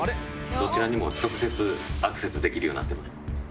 どちらにも直接アクセスできるようになってます。